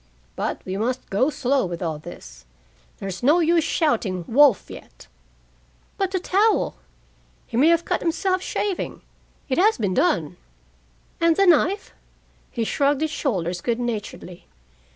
But we must go slow with all this. There's no use shouting 'wolf' yet." "But the towel?" "He may have cut himself, shaving. It has been done." "And the knife?" He shrugged his shoulders good naturedly.